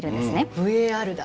ＶＡＲだ。